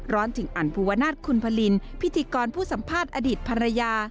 ถึงอันภูวนาศคุณพลินพิธีกรผู้สัมภาษณ์อดีตภรรยา